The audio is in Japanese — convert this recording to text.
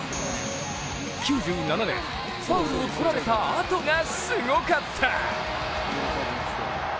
９７年、ファウルを取られたあとがすごかった！